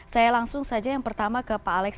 saya langsung saja yang pertama ke pak alex